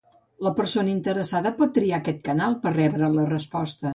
La persona interessada pot triar aquest canal per rebre la resposta.